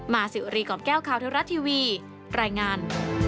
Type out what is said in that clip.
สิวรีกล่อมแก้วข่าวเทวรัฐทีวีรายงาน